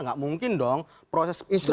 nggak mungkin dong proses belajar mengajar